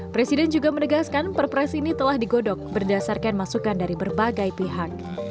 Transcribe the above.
presiden juga menegaskan perpres ini telah digodok berdasarkan masukan dari berbagai pihak